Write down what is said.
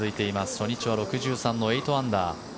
初日は６３の８アンダー。